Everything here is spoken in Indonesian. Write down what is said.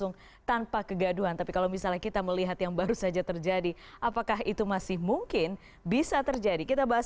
saya memutuskan untuk calling down ketika melihat tensi politik yang makin memanas